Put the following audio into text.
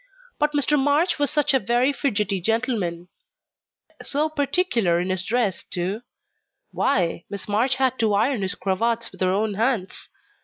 but Mr. March was such a very fidgety gentleman so particular in his dress, too Why, Miss March had to iron his cravats with her own hands.